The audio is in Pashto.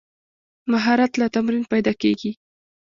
مهارت له تمرین پیدا کېږي.